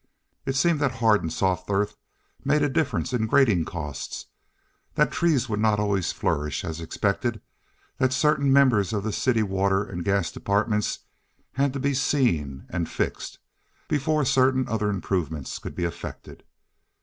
It seemed that hard and soft earth made a difference in grading costs, that trees would not always flourish as expected, that certain members of the city water and gas departments had to be "seen" and "fixed" before certain other improvements could be effected.